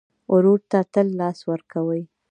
ورور ته تل لاس ورکوې.